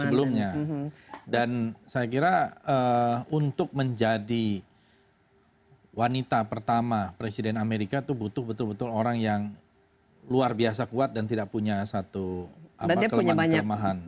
sebelumnya dan saya kira untuk menjadi wanita pertama presiden amerika itu butuh betul betul orang yang luar biasa kuat dan tidak punya satu kelemahan kelemahan